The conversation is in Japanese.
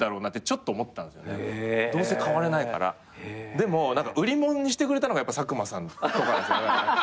でも売り物にしてくれたのがやっぱ佐久間さんとかなんですよ。